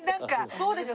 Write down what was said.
そうですよ